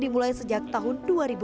mulai sejak tahun dua ribu dua puluh satu